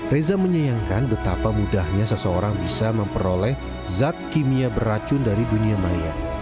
reza menyayangkan betapa mudahnya seseorang bisa memperoleh zat kimia beracun dari dunia maya